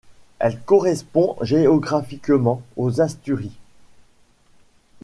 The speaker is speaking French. Elle correspond géographiquement aux Asturies.